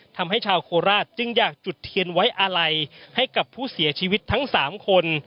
ทำให้ชาวโคราชจึงอยากจุดเทียนไว้อาลัยให้กับผู้เสียชีวิตทั้ง๓คน